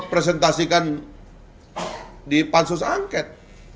presentasikan di pansus angket